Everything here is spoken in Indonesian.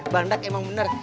bangdak emang bener